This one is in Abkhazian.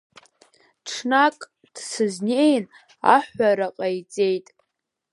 Ҽнак дсызнеин аҳәара ҟаиҵеит…